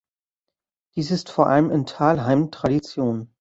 Dies ist vor allem in Thalheim Tradition.